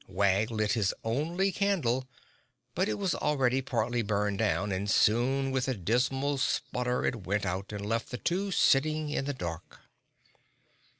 Wag lit his only candle but it was already partly burned down and soon with a dismal sputter it went out and left the two sitting in the dark.